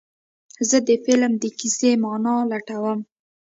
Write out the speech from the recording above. زه د فلم د کیسې معنی لټوم.